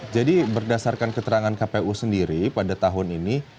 berdasarkan keterangan kpu sendiri pada tahun ini